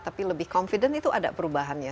tapi lebih confident itu ada perubahannya